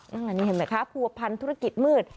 นั่นแหละนี่เห็นไหมคะผัวพันธุรกิจมืด